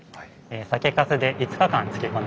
酒かすで５日間漬け込んでいます。